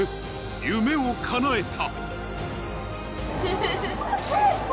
夢をかなえた。